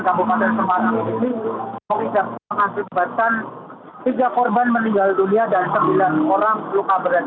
di kabupaten semarang ini mengizapkan tiga korban meninggal dunia dan sembilan orang luka berat